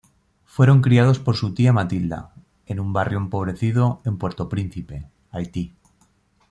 Fueron criados por su tía Matilda, en un barrio empobrecido en Puerto Príncipe, Haití.